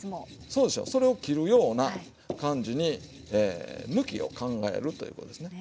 そうでしょそれを切るような感じに向きを考えるということですね。